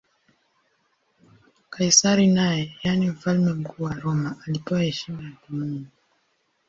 Kaisari naye, yaani Mfalme Mkuu wa Roma, alipewa heshima ya kimungu.